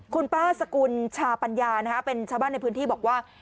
คุณป้าสกุลชาปัญญาเป็นชาวบ้านในพื้นที่บอกว่า